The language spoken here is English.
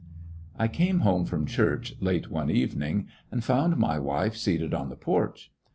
I came home from church late one evening, Said them to and found my wife seated on the porch.